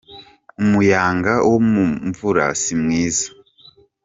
Umuyanga wo mu mvura si mwiza.